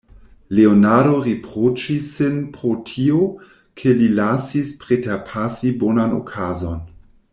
Leonardo riproĉis sin pro tio, ke li lasis preterpasi bonan okazon.